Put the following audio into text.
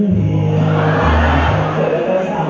โหอะไรกัน